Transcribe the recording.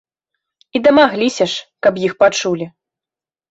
І дамагліся ж, каб іх пачулі!